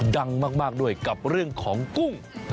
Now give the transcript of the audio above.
ดังมากด้วยกับเรื่องของกุ้ง